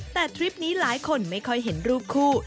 แต่ทริปนี้หลายคนไม่ค่อยเห็นรูปคู่